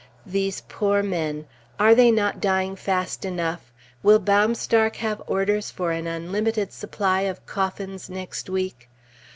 These poor men! Are they not dying fast enough? Will Baumstark have orders for an unlimited supply of coffins next week?